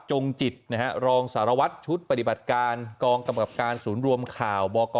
จงจิตนะฮะรองสารวัตรชุดปฏิบัติการกองกำกับการศูนย์รวมข่าวบก